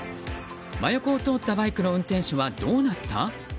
間横を通ったバイクの運転手はどうなった？